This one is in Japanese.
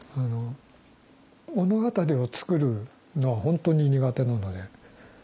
物語を作るのは本当に苦手なので。